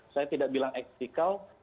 saya tidak bilang eksikal